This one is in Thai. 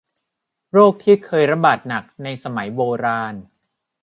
โรคที่เคยระบาดหนักในสมัยโบราณ